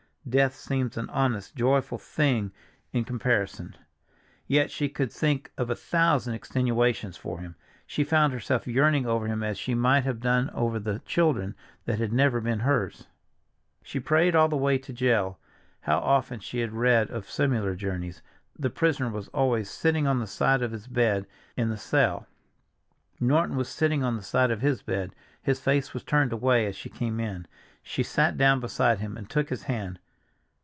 Death seems an honest, joyful thing in comparison. Yet she could think of a thousand extenuations for him—she found herself yearning over him as she might have done over the children that had never been hers. She prayed all the way to jail. How often she had read of similar journeys—the prisoner was always "sitting on the side of his bed," in the cell. Norton was sitting on the side of his bed; his face was turned away as she came in. She sat down beside him and took his hand.